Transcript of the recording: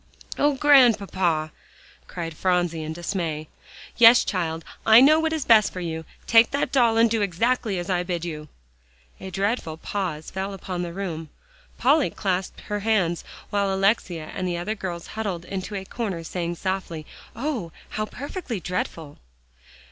"Oh, Grandpapa!" cried Phronsie in dismay. "Yes, child; I know what is best for you. Take that doll, and do exactly as I bid you." A dreadful pause fell upon the room. Polly clasped her hands, while Alexia and the other girls huddled into a corner saying softly, "Oh! how perfectly dreadful!"